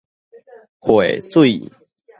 匯水